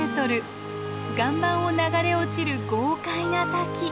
岩盤を流れ落ちる豪快な滝。